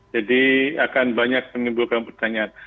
jadi akan banyak menimbulkan pertanyaan